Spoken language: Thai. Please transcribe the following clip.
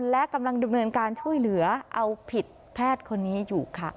และกำลังดำเนินการช่วยเหลือเอาผิดแพทย์คนนี้อยู่ค่ะ